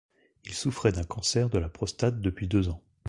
Il souffrait d'un cancer de la prostate depuis deux ans.